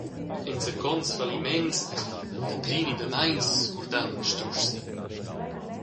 Enzacons falliments dapli ni dameins curdavan strusch si.